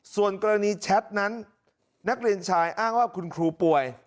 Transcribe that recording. ส่วนกรณีแชทนั้นนักเรียนชายอ้างว่าคุณครูป่วย